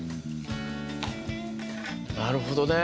なるほどね。